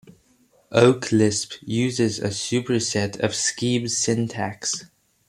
Oaklisp uses a superset of Scheme syntax.